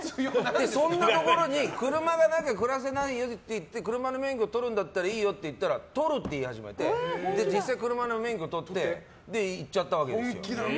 そんなところに車がなきゃ暮らせないよって車の免許取るならいいよって言ったら取るって言い始めて実際車の免許取って行っちゃったわけです。